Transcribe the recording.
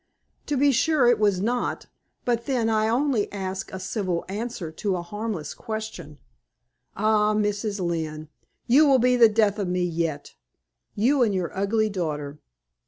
To be sure, it was not; but then I only asked a civil answer to a harmless question. Ah, Mrs. Lynne! you will be the death of me yet you and your ugly daughter!